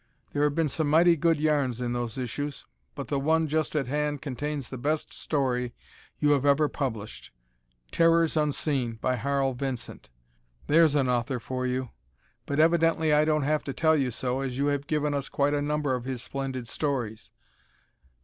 There have been some mighty good yarns in those issues, but the one just at hand contains the best story you have ever published "Terrors Unseen," by Harl Vincent. There's an author for you; but evidently I don't have to tell you so, as you have given us quite a number of his splendid stories.